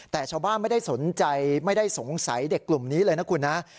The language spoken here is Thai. แต่ชาวบ้านไม่ได้สนใจไม่ได้สงสัยเด็กกลุ่มนี้เลยนะคุณนะ